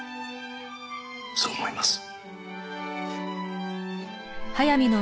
そう思います。